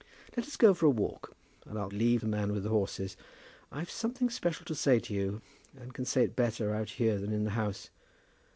"Let us go for a walk, and I'll leave the man with the horses. I've something special to say to you, and I can say it better out here than in the house.